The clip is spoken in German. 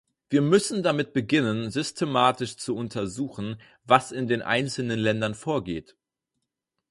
Wir müssen damit beginnen, systematisch zu untersuchen, was in den einzelnen Ländern vorgeht.